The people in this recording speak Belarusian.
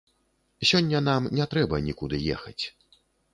Сёння нам не трэба нікуды ехаць.